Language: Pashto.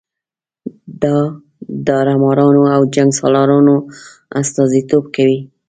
د داړه مارانو او جنګ سالارانو استازي توب کوي.